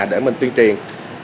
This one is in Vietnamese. để mình tuyên truyền